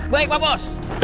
baik pak bos